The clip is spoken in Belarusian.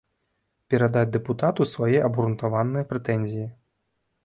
Перадаць дэпутату свае абгрунтаваныя прэтэнзіі.